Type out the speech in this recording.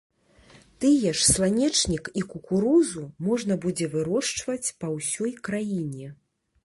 Тыя ж сланечнік і кукурузу можна будзе вырошчваць па ўсёй краіне.